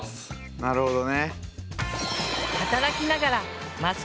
なるほどね。